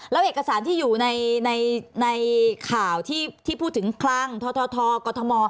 แล้วเอกสารที่อยู่ในข่าวที่พูดถึงคลังททกม